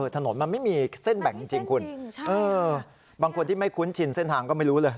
ถนนมันไม่มีเส้นแบ่งจริงคุณบางคนที่ไม่คุ้นชินเส้นทางก็ไม่รู้เลย